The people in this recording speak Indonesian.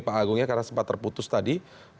pak agungnya karena sempat terputus tadi